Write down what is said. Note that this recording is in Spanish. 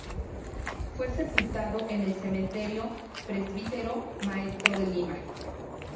Fue sepultado en el Cementerio Presbítero Maestro de Lima.